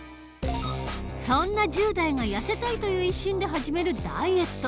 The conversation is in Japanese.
そんな１０代がやせたいという一心で始めるダイエット。